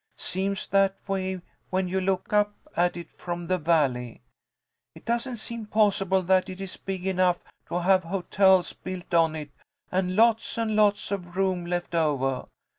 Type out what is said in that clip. Seems that way when you look up at it from the valley. It doesn't seem possible that it is big enough to have hotels built on it and lots and lots of room left ovah.